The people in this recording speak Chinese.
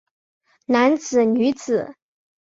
男子女子